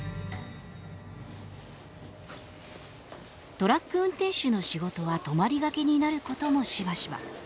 トラック運転手の仕事は泊まりがけになることもしばしば。